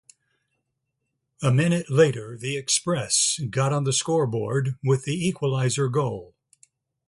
A minute later, the Express got on the scoreboard with the equalizer goal.